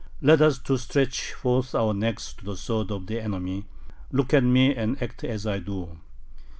Let us too stretch forth our necks to the sword of the enemy; look at me and act as I do!"